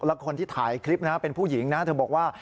แล้วคนที่ถ่ายคลิปนะเป็นผู้หญิงนะเธอบอกว่า